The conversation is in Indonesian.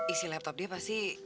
isi laptop dia pasti